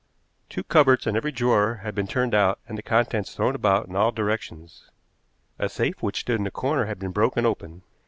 Two cupboards and every drawer had been turned out and the contents thrown about in all directions. A safe which stood in a corner had been broken open.